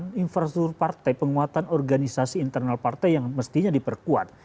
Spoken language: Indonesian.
dengan infrastruktur partai penguatan organisasi internal partai yang mestinya diperkuat